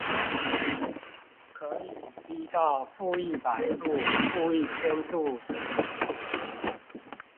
可以低到負一百度、負一千度等